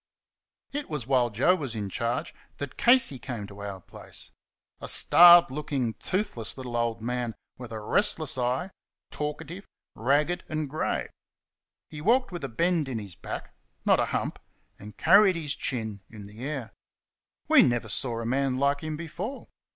It was while Joe was in charge that Casey came to our place. A starved looking, toothless little old man with a restless eye, talkative, ragged and grey; he walked with a bend in his back (not a hump), and carried his chin in the air. We never saw a man like him before.